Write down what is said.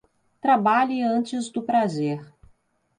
Trabalhe antes do prazer.